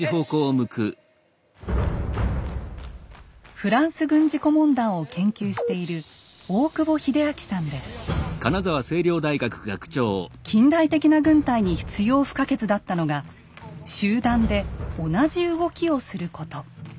フランス軍事顧問団を研究している近代的な軍隊に必要不可欠だったのが集団で同じ動きをすること。